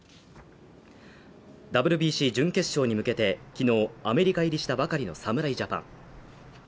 ＷＢＣ準決勝に向けて、昨日、アメリカ入りしたばかりの侍ジャパン。